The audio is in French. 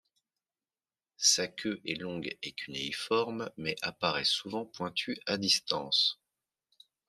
Sa queue est longue et cunéiforme mais apparaît souvent pointue à distance.